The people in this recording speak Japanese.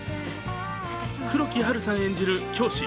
黒木華さん演じる教師。